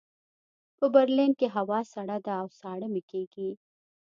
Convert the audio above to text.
په برلین کې هوا سړه ده او ساړه مې کېږي